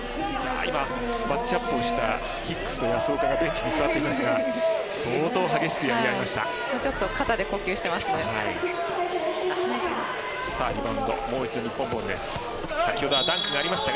今、マッチアップをしたヒックスと保岡がベンチに座っていますが相当激しくやり合いました。